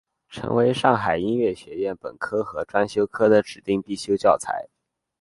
成为上海音乐学院本科和专修科的指定必修教材。